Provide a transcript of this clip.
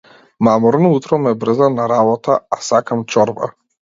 Мамурно утро ме брза на работа, а сакам чорба.